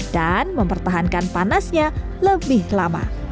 dan mempertahankan panasnya lebih lama